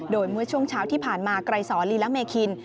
โดยเมื่อช่วงเช้าที่ผ่านมาไกรสอนลีละเมคิน